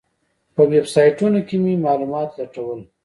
په ویبسایټونو کې مې معلومات لټول.